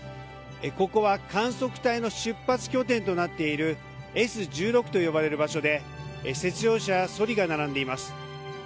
ここは観測隊の出発拠点となっているＳ１６と呼ばれる場所で雪上車やそりが並んでいます。